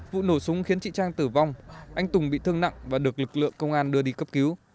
vụ nổ súng khiến chị trang tử vong anh tùng bị thương nặng và được lực lượng công an đưa đi cấp cứu